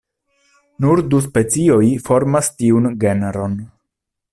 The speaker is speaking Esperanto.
Nur du specioj formas tiun genron.